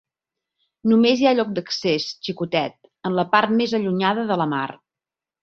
Només hi ha lloc d'accés, xicotet, en la part més allunyada de la mar.